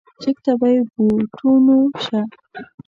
چک ته بې بوټونو شه.